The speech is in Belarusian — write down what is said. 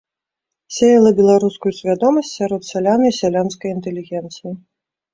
Сеяла беларускую свядомасць сярод сялян і сялянскай інтэлігенцыі.